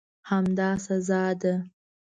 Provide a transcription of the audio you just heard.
همدا سزا ده.